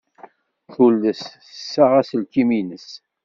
Tules tessaɣ aselkim-nnes.